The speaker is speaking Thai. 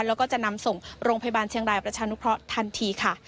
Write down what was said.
แล้วก็จะนำส่งโรงพยาบาลเชียงรายประชานุเคราะห์ทันทีค่ะ